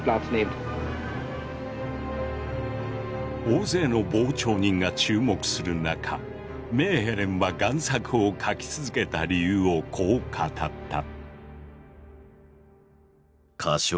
大勢の傍聴人が注目する中メーヘレンは贋作を描きつづけた理由をこう語った。